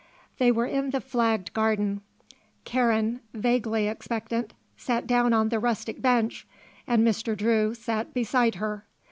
They were in the flagged garden. Karen, vaguely expectant, sat down on the rustic bench and Mr. Drew sat beside her.